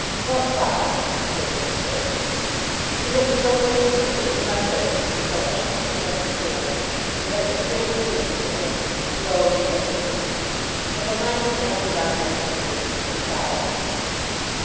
'What clouds?' said Mr. Dick. He looked so wistfully into my face, and was so anxious to understand, that I took great pains to answer him slowly and distinctly, as I might have entered on an explanation to a child.